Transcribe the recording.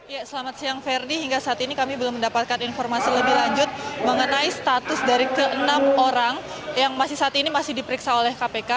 ya selamat siang ferdi hingga saat ini kami belum mendapatkan informasi lebih lanjut mengenai status dari ke enam orang yang masih saat ini masih diperiksa oleh kpk